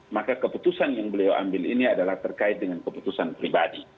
maka keputusan yang beliau ambil ini adalah terkait dengan keputusan pribadi